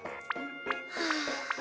はあ。